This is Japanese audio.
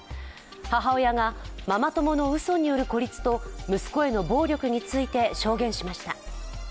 母親がママ友のうそによる孤立と息子への暴力について証言しました。